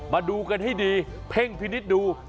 มาดูกันให้ดีเพ่งพินิษฐ์ดู